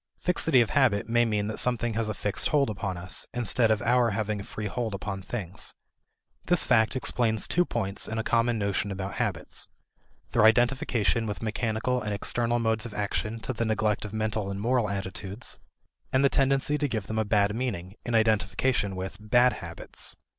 Fixity of habit may mean that something has a fixed hold upon us, instead of our having a free hold upon things. This fact explains two points in a common notion about habits: their identification with mechanical and external modes of action to the neglect of mental and moral attitudes, and the tendency to give them a bad meaning, an identification with "bad habits."